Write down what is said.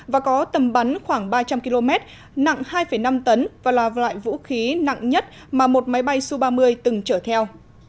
và có tầm bắn khoảng ba trăm linh km nặng hai năm tấn và là loại vũ khí nặng nhất mà một máy bay su ba mươi từng chở theo